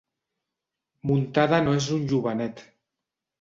Muntada no és un jovenet.